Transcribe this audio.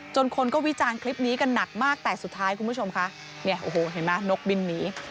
คนก็วิจารณ์คลิปนี้กันหนักมากแต่สุดท้ายคุณผู้ชมคะเนี่ยโอ้โหเห็นไหมนกบินหนี